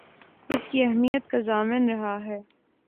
اس کی اہمیت کا ضامن رہا ہے